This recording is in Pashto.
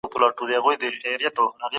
آیا څېړنه رښتیا هم بېلابېل ډولونه لري؟